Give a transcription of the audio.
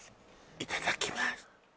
いただきます